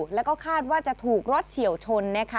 แล้วก็คาดว่าจะถูกรถเฉียวชน